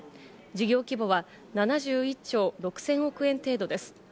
事業規模は７１兆６０００億円程度です。